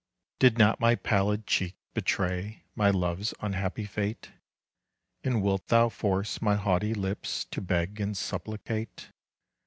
Did not my pallid cheek betray My love's unhappy fate? And wilt thou force my haughty lips To beg and supplicate?